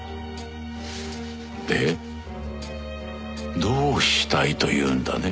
でどうしたいというんだね？